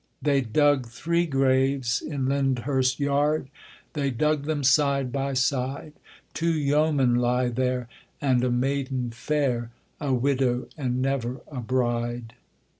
They dug three graves in Lyndhurst yard; They dug them side by side; Two yeomen lie there, and a maiden fair A widow and never a bride.